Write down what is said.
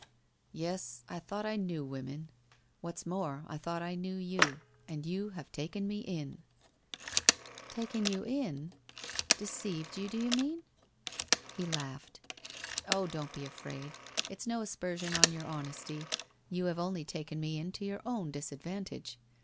1 Yes, I thought I knew women. What's more, I thought I knew you, and you have taken me in !' 1 Taken you in ? Deceived you, do you mean ?' He laughed. ' Oh, don't be afraid. It's no aspersion on your honesty. You have only taken me in to your own disadvantage.